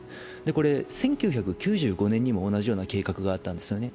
これ１９９５年にも同じような計画があったんですね。